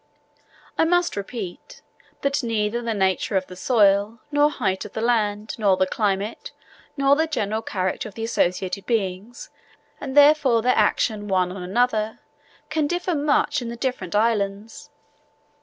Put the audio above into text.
I must repeat, that neither the nature of the soil, nor height of the land, nor the climate, nor the general character of the associated beings, and therefore their action one on another, can differ much in the different islands.